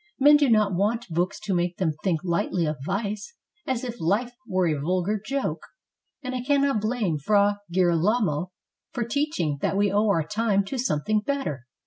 Men do not want books to make them think Ughtly of vice, as if Kfe were a vulgar Joke. And I cannot blame Fra Girolamo for teaching that we owe our time to something better."